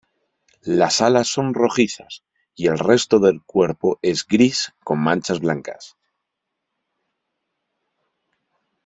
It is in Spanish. Las alas son rojizas y el resto del cuerpo es gris con manchas blancas.